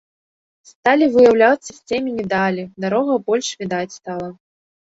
Сталі выяўляцца з цемені далі, дарога больш відаць стала.